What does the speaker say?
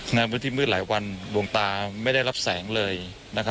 ในพื้นที่มืดหลายวันดวงตาไม่ได้รับแสงเลย